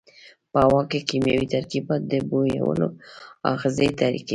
په هوا کې کیمیاوي ترکیبات د بویولو آخذې تحریکوي.